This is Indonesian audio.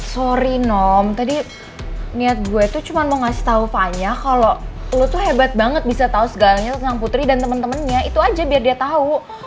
sorry nom tadi niat gue tuh cuma mau ngasih tau fanya kalo lo tuh hebat banget bisa tau segalanya tentang putri dan temen temennya itu aja biar dia tau